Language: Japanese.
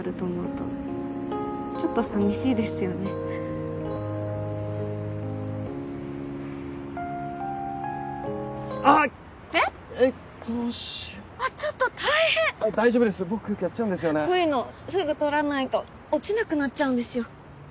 こういうのすぐ取らないと落ちなくなっちゃうんですよ。